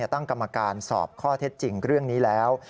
ตั้งกรรมการสอบข้อเท็จจริงเรื่องนี้แล้ว